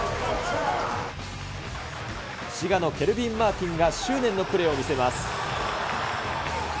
滋賀のケルヴィン・マーティンが執念のプレーを見せます。